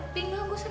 pinggang gue jatuh